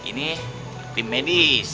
ini tim medis